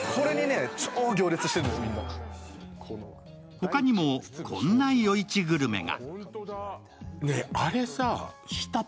他にも、こんな夜市グルメが。